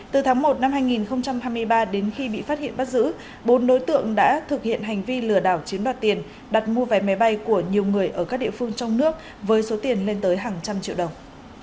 từ tháng một năm hai nghìn hai mươi ba đến khi bị phát hiện bắt giữ bốn đối tượng đã thực hiện hành vi lừa đảo chiếm đoạt tiền đặt mua vé máy bay của nhiều người ở các địa phương trong nước với số tiền lên tới hàng trăm triệu đồng